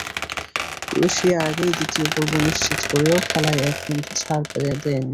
Croatia আগেই দ্বিতীয় পর্ব নিশ্চিত করেও খেলায় এক বিন্দু ছাড় দেয়নি।